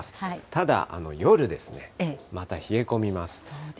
ただ、夜ですね、また冷え込みます。